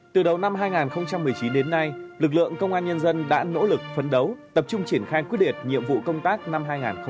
từ đầu năm hai nghìn một mươi chín đến nay lực lượng công an nhân dân đã nỗ lực phấn đấu tập trung triển khai quyết liệt nhiệm vụ công tác năm hai nghìn hai mươi